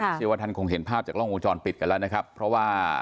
เชื่อว่าท่านคงเห็นภาพจากกล้องวงจรปิดกันแล้วนะครับเพราะว่า